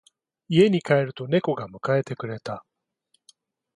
家に帰ると猫が迎えてくれた。